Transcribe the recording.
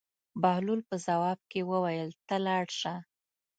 بهلول په ځواب کې وویل: ته لاړ شه.